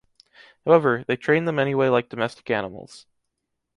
However, they trained them anyway like domestic animals.